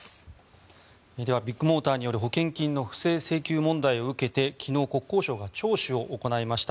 ではビッグモーターによる保険金の不正請求問題を受けて昨日国交省が聴取を行いました。